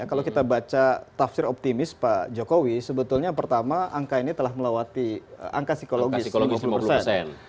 kalau kita baca tafsir optimis pak jokowi sebetulnya pertama angka ini telah melawati angka psikologis lima puluh persen